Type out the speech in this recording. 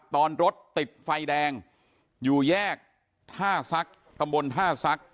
ตอนรถติดไฟแดงอยู่แยกท่าซักตำบลท่าซัก